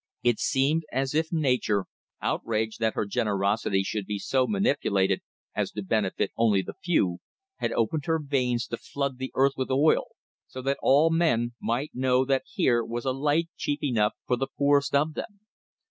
It seemed as if Nature, outraged that her generosity should be so manipulated as to benefit only the few, had opened her veins to flood the earth with oil, so that all men might know that here was a light cheap enough for the poorest of them.